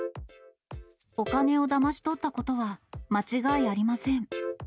お金をだまし取ったことは間違いありません。